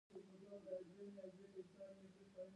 او چارچاپېره يې نړېدلي دېوالونه.